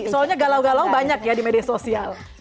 soalnya galau galau banyak ya di media sosial